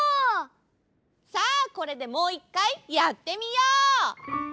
さあこれでもういっかいやってみよう！